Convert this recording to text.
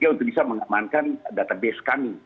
untuk bisa mengamankan database kami